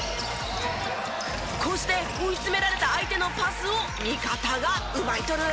こうして追い詰められた相手のパスを味方が奪い取る。